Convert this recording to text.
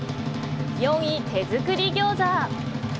４位、手作り餃子。